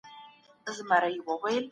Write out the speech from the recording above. دا طریقه اوس په بریتانیا کې قانوني ده.